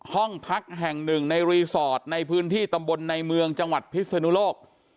ห้องพักแห่งหนึ่งในรีสอร์ทในพื้นที่ตำบลในเมืองจังหวัดพิศนุโลก